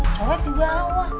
kau jadi apa